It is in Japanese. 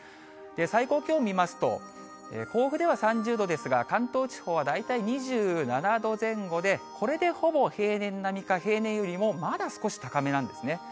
最高気温見ますと、甲府では３０度ですが、関東地方は大体２７度前後で、これでほぼ平年並みか平年よりもまだ少し高めなんですね。